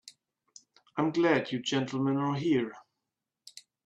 I'm glad you gentlemen are here.